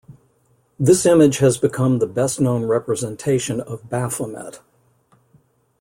This image has become the best-known representation of Baphomet.